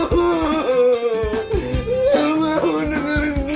gue gak mau dengerin musik gitu